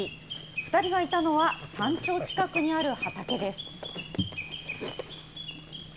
２人がいたのは山頂近くにある畑です。